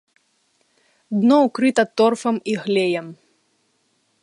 Дно ўкрыта торфам і глеем.